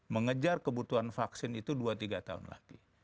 mengejar kebutuhan vaksin itu dua tiga tahun lagi